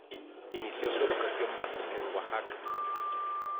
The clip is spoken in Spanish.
Inició su educación básica en Oaxaca.